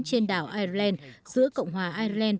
trên đảo ireland giữa cộng hòa ireland